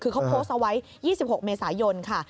คือเขาโพสต์เอาไว้๒๖เมษายนค่ะ